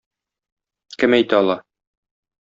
Кем әйтә ала